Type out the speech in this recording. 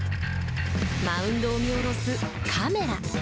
マウンドを見おろすカメラ！